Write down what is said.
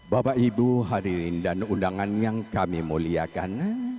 bapak ibu hadirin dan undangan yang kami muliakan